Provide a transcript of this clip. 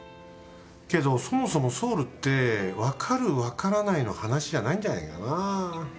けどそもそもソウルってわかるわからないの話じゃないんじゃないかな。